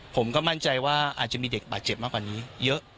ผมก็มั่นใจว่าอาจจะมีเด็กบาดเจ็บมากกว่านี้เยอะ